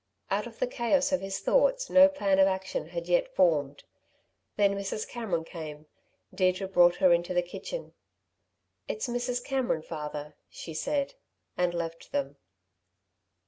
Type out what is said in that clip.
Out of the chaos of his thoughts no plan of action had yet formed. Then Mrs. Cameron came. Deirdre brought her into the kitchen. "It's Mrs. Cameron, father," she said, and left them.